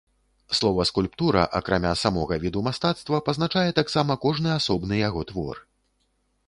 Слова скульптура, акрамя самога віду мастацтва, пазначае таксама кожны асобны яго твор.